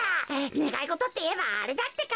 ねがいごとっていえばあれだってか。